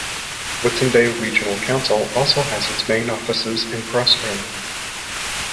Whitsunday Regional Council also has its main offices in Proserpine.